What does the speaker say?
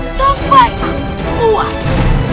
sampai aku puas